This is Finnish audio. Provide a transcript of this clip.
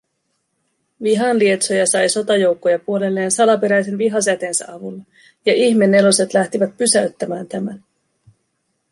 Vihanlietsoja sai sotajoukkoja puolelleen salaperäisen Viha-säteensä avulla ja Ihmeneloset lähtivät pysäyttämään tämän